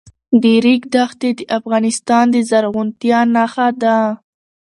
د ریګ دښتې د افغانستان د زرغونتیا نښه ده.